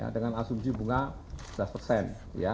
dengan asumsi bunga sebelas persen